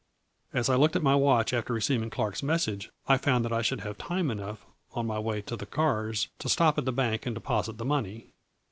As I looked at my watch after receiving Clark's message, I found that I should have time enough, on my way to the cars, to stop at the bank and deposit the money.